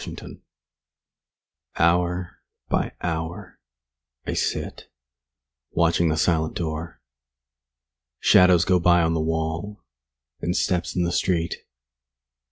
LXXVII Hour by hour I sit, Watching the silent door. Shadows go by on the wall, And steps in the street.